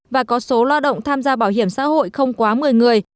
và có số lo động tham gia bảo hiểm xã hội không quá một mươi người